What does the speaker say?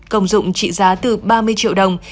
công dụng trị giá từ ba mươi triệu đồng